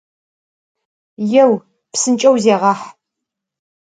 Yêu, psınç'eu zêğah!